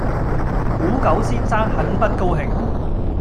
古久先生很不高興。